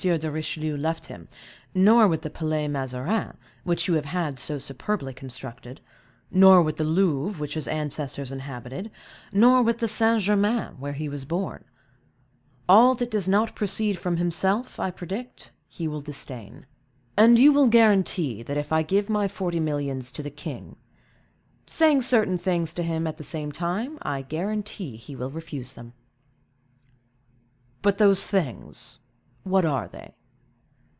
de Richelieu left him, nor with the Palais Mazarin, which you have had so superbly constructed, nor with the Louvre, which his ancestors inhabited; nor with St. Germain, where he was born. All that does not proceed from himself, I predict, he will disdain." "And you will guarantee, that if I give my forty millions to the king—" "Saying certain things to him at the same time, I guarantee he will refuse them." "But those things—what are they?"